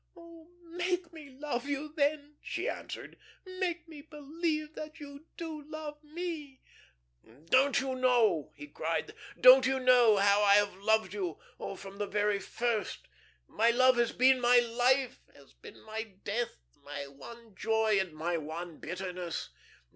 "Oh, make me love you, then," she answered. "Make me believe that you do love me." "Don't you know," he cried, "don't you know how I have loved you? Oh, from the very first! My love has been my life, has been my death, my one joy, and my one bitterness.